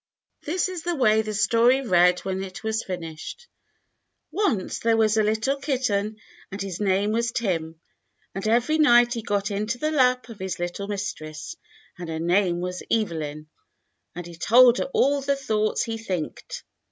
This was the way the story read when it was fin ished :— "Once there was a little kitten and his name was Tim, and every night he got into the lap of his little mistress, and her name was Evelyn, and he told her all the thoughts he thinked.